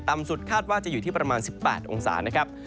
สุดคาดว่าจะอยู่ที่ประมาณ๑๘องศานะครับ